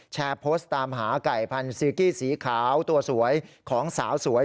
โพสต์ตามหาไก่พันธีกี้สีขาวตัวสวยของสาวสวย